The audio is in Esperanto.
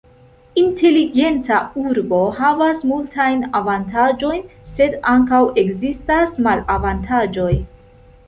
Inteligenta urbo havas multajn avantaĝojn, sed ankaŭ ekzistas malavantaĝoj.